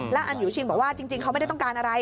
แล้วอันยูชิงบอกว่าจริงเขาไม่ได้ต้องการอะไร